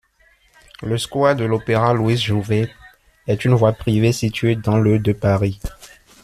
Le square de l'Opéra-Louis-Jouvet est une voie privée située dans le de Paris.